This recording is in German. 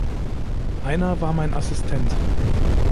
Einer war mein Assistent.